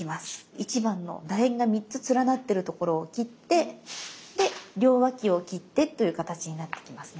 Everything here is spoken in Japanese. １番のだ円が３つ連なってるところを切ってで両脇を切ってという形になってきますね。